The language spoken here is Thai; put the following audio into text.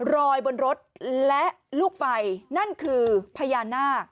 รอยบนรถและลูกไฟนั่นคือพญานาค